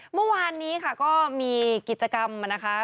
เมื่อวานนี้ค่ะก็มีกิจกรรมนะคะ